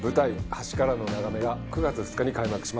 『橋からの眺め』が９月２日に開幕します。